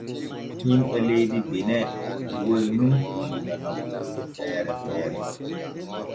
Himɓe leydi Bene ƴiwoy nun diga nokkuuje feere feere.